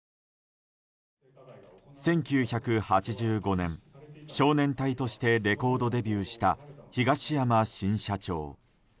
１９８５年、少年隊としてレコードデビューした東山新社長。